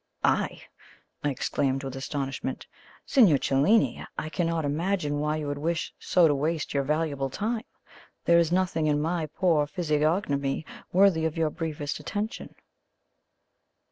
"I!" I exclaimed, with astonishment. "Signor Cellini, I cannot imagine why you should wish so to waste your valuable time. There is nothing in my poor physiognomy worthy of your briefest attention."